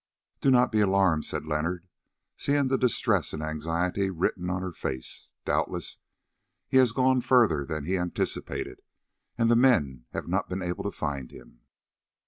"Do not be alarmed," said Leonard, seeing the distress and anxiety written on her face; "doubtless he has gone further than he anticipated, and the men have not been able to find him."